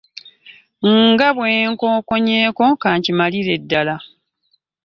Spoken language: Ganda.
Nga bwe nkokoonyeeko ka nkimalire ddala.